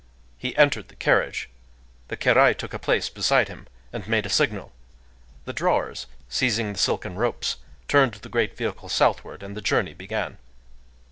He entered the carriage; the kérai took a place beside him, and made a signal; the drawers, seizing the silken ropes, turned the great vehicle southward;—and the journey began.